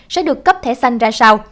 sẽ được cấp thẻ xanh ra sao